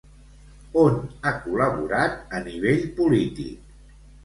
On ha col·laborat a nivell polític?